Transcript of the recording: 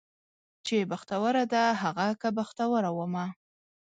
چې بختوره ده هغه که بختوره ومه